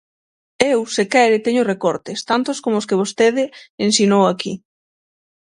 Eu, se quere, teño recortes, tantos como os que vostede ensinou aquí.